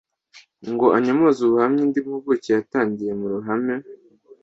Ngo anyomoze ubuhamya indi mpuguke yatangiye mu ruhame